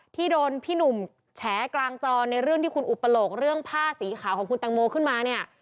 ที่โดนพี่หนุ่มแฉกลางจอในเรื่องที่คุณอุปโลกเรื่องผ้าสีขาวของคุณตังโมขึ้นมาเนี่ย